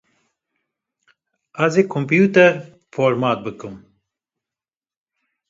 Ezê komputer format bikim.